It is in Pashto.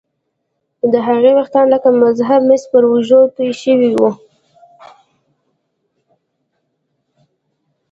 د هغې ويښتان لکه مذاب مس پر اوږو توې شوي وو